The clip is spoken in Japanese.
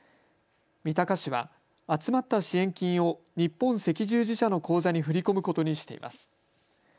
三鷹市は集まった支援金を日本赤十字社の口座に振り込むことにしています。